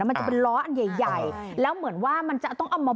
มันจะเป็นล้ออันใหญ่ใหญ่แล้วเหมือนว่ามันจะต้องเอามา